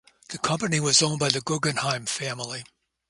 The company was owned by the Guggenheim family.